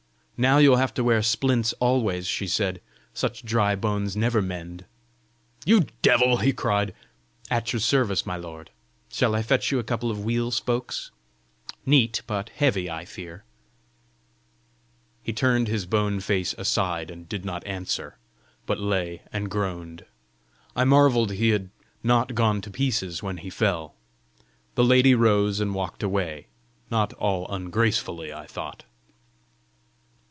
"Now you will have to wear splints always!" she said; "such dry bones never mend!" "You devil!" he cried. "At your service, my lord! Shall I fetch you a couple of wheel spokes? Neat but heavy, I fear!" He turned his bone face aside, and did not answer, but lay and groaned. I marvelled he had not gone to pieces when he fell. The lady rose and walked away not all ungracefully, I thought.